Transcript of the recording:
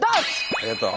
ありがとう。